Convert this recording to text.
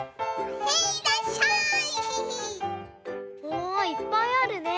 おいっぱいあるね。